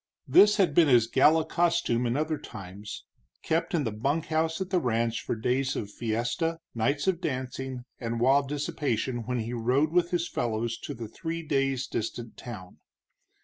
This had been his gala costume in other times, kept in the bunkhouse at the ranch for days of fiesta, nights of dancing, and wild dissipation when he rode with his fellows to the three days' distant town.